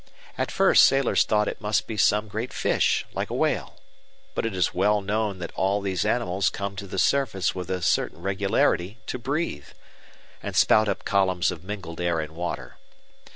At first sailors thought it must be some great fish, like a whale. But it is well known that all these animals come to the surface with a certain regularity to breathe, and spout up columns of mingled air and water.